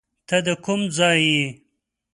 ته د کوم ځای یې؟